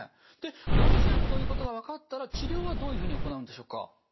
外耳炎ということが分かったら治療はどういうふうに行うんでしょうか？